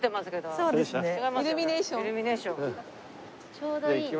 ちょうどいいね。